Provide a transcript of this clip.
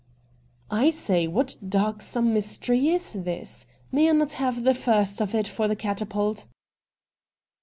' I say, what darksome mystery is this ? May I not have the first of it for the " Catapult